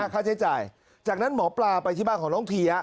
ค่าใช้จ่ายจากนั้นหมอปลาไปที่บ้านของน้องเทีย